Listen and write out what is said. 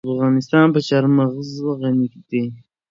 افغانستان په چار مغز غني دی.